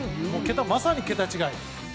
まさに桁違い。